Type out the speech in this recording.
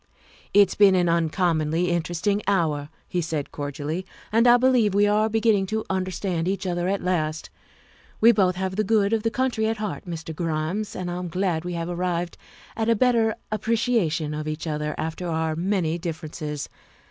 " It's been an uncommonly interesting hour," he said cordially, " and I believe we are beginning to under stand each other at last. We both have the good of the country at heart, Mr. Grimes, and I'm glad we have arrived at a better appreciation of each other after our many differences.